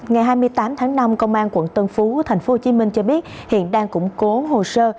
ngày hai mươi tám tháng năm công an quận tân phú thành phố hồ chí minh cho biết hiện đang củng cố hồ sơ